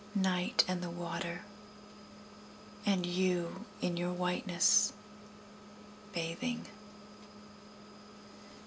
Night, and the water, and you in your whiteness, bathing!